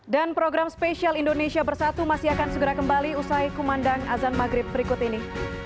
dan program spesial indonesia bersatu masih akan segera kembali usai kumandang azan maghrib berikut ini